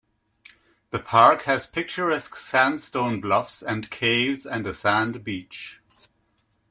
The park has picturesque sandstone bluffs and caves and a sand beach.